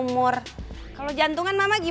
makasih banyak pih